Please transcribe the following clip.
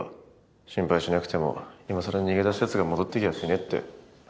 心配しなくても今更逃げ出したやつが戻ってきやしねぇって。